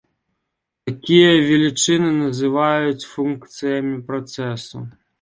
Такія велічыні называюць функцыямі працэсу.